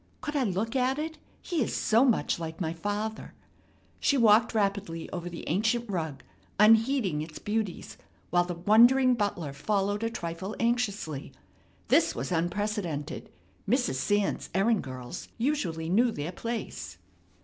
"Could I look at it? He is so much like my father." She walked rapidly over the ancient rug, unheeding its beauties, while the wondering butler followed a trifle anxiously. This was unprecedented. Mrs. Sands's errand girls usually knew their place.